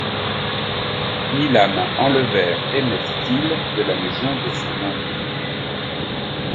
Milam, enlevèrent Emmett Till de la maison de son oncle.